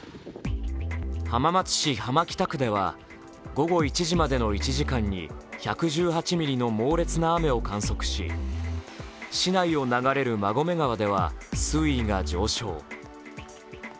浜松市浜北区では午後１時までの１時間に１１８ミリの猛烈な雨を観測し、市内を流れる馬込川では水位が上昇。